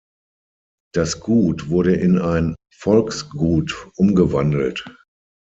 Das Gut wurde in ein Volksgut umgewandelt.